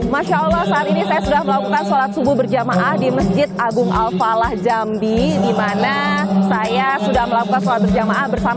masya allah saat ini saya sudah melakukan beberapa hal